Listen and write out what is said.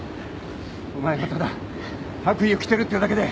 お前がただ白衣を着てるっていうだけで。